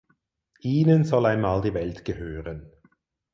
Ihnen soll einmal die Welt gehören.